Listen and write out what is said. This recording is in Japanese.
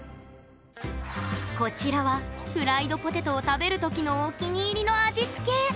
こちらはフライドポテトを食べる時のお気に入りの味付けへえ。